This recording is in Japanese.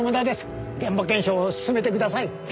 現場検証を進めてください。